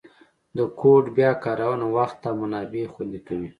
د کوډ بیا کارونه وخت او منابع خوندي کوي.